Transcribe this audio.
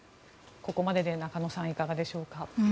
ここまでで、中野さんいかがでしょうか。